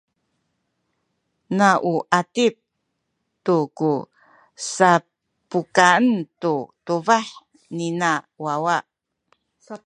na u atip tu ku sapukan tu tubah nina wawa.